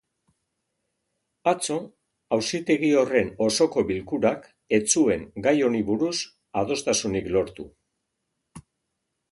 Atzo, auzitegi horren osoko bilkurak ez zuen gai honi buruz adostasunik lortu.